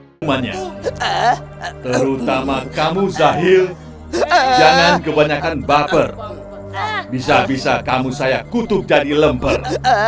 semuanya terutama kamu zahil jangan kebanyakan baper bisa bisa kamu saya kutuk dari lembar